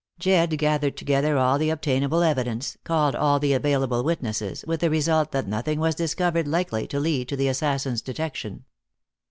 Jedd gathered together all the obtainable evidence, called all the available witnesses, with the result that nothing was discovered likely to lead to the assassin's detection.